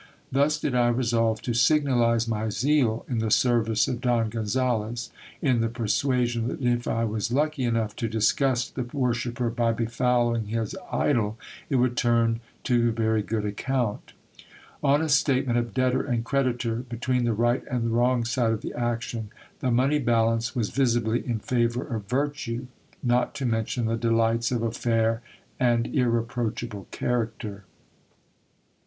Thus did I resolve to signalize my zeal in the service of Don Gonzales, in the persuasion that if I was lucky enough to disgust the worshipper by befouling his idol, it would turn to very good account On a statement of debtor and creditor between the right and the wrong side of the action, the money balance was visibly in favour of virtue, not to mention the delights of a fair and irreproachable character.